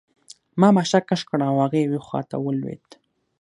ما ماشه کش کړه او هغه یوې خواته ولوېد